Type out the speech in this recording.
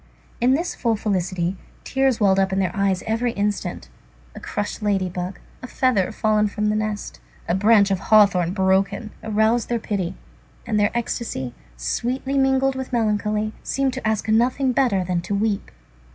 In this full felicity, tears welled up to their eyes every instant. A crushed lady bug, a feather fallen from a nest, a branch of hawthorn broken, aroused their pity, and their ecstasy, sweetly mingled with melancholy, seemed to ask nothing better than to weep.